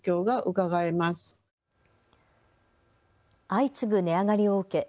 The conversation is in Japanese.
相次ぐ値上がりを受け